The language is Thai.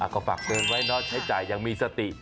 ก็ฝากเตือนไว้ใช้จ่ายยังมีสติ